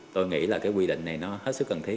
tôi nghĩ là cái quy định này nó hết sức cần thiết